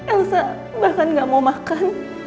angsa bahkan gak mau makan